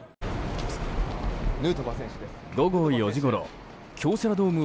午後４時ごろ京セラドーム